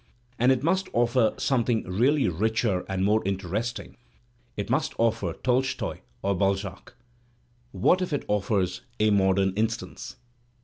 And it must offer something really richer and more interesting; it must o£Per Tolstoy or Balzac. What if it offers "A Modem Instance?"